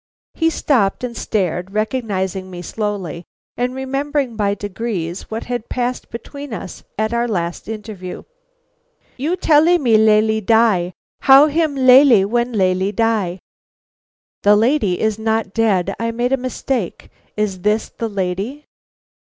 He stopped and stared, recognizing me slowly, and remembering by degrees what had passed between us at our last interview. "You tellee me lalee die; how him lalee when lalee die?" "The lady is not dead; I made a mistake. Is this the lady?"